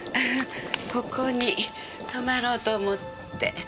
ここに泊まろうと思って。